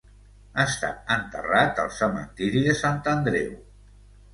Està enterrat al cementiri de Sant Andreu.